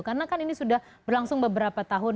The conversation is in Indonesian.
karena kan ini sudah berlangsung beberapa tahun